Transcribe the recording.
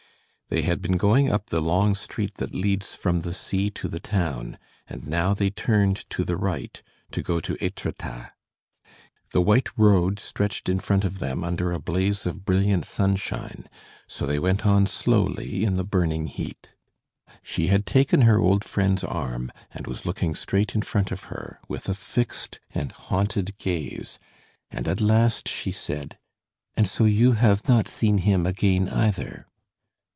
They had been going up the long street that leads from the sea to the town, and now they turned to the right, to go to Etretat. The white road stretched in front of them under a blaze of brilliant sunshine, so they went on slowly in the burning heat. She had taken her old friend's arm, and was looking straight in front of her, with a fixed and haunted gaze, and at last she said: "And so you have not seen him again, either?"